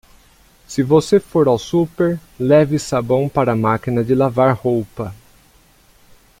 Se você for ao super, leve sabão para a máquina de lavar roupa.